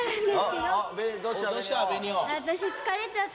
どうした？